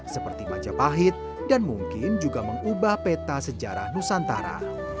seperti majapahit dan mungkin juga mengubah peta sejarah nusantara